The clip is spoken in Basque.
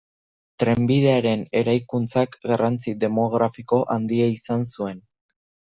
Trenbidearen eraikuntzak garrantzi demografiko handia izan zuen.